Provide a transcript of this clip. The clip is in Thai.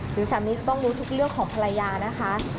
สามีจะต้องรู้ทุกเรื่องของภรรยานะคะ